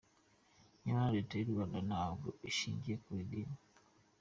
Nyamara Leta y’u Rwanda ntabwo ishingiye ku idini.